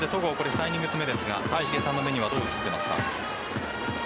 ３イニング目ですが谷繁さんの目にはどう映っていますか？